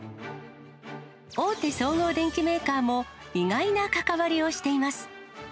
大手総合電機メーカーも、意外な関わりをしています。